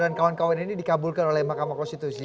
dan kawan kawan ini dikabulkan oleh makamu konstitusi